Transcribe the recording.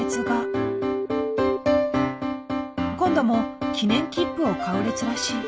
今度も記念切符を買う列らしい。